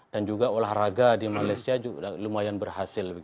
dan juga olahraga di malaysia juga lumayan berhasil